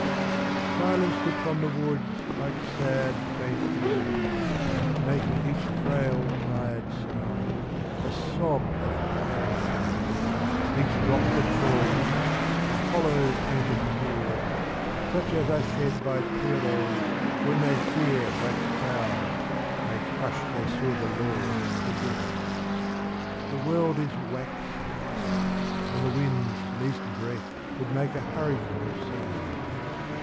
*•:.* Silence drips on the woods like sad faint rain Making each frail b, a sob of pain : Each drop that falls, a hollow painted t Such as are shed by Pierrots, when they fear Black clouds may crush their silver lord (■■ death. The world i^ waxen : and the wind's least breath Would make a hurricane of sound.